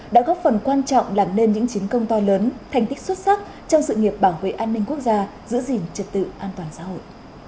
đã góp phần quan trọng làm nên những chiến công to lớn thành tích xuất sắc trong sự nghiệp bảo vệ an ninh quốc gia giữ gìn trật tự an toàn xã hội